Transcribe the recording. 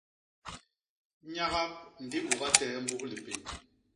Nyagap ndi u gatehe mbus lipénd.